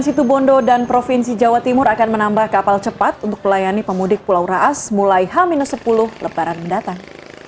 situbondo dan provinsi jawa timur akan menambah kapal cepat untuk melayani pemudik pulau raas mulai h sepuluh lebaran mendatang